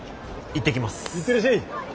行ってきます。